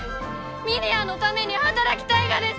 峰屋のために働きたいがです！